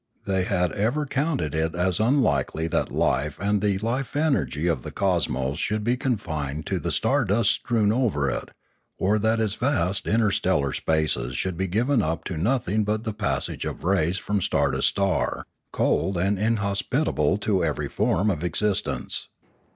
They had ever counted it as unlikely that the life and the life energy of the cosmos should be confined to the star dust strewn over it, or that its vast interstellar spaces should be given up to nothing but the passage of rays from star to star, cold and inhospitable to every form of existence.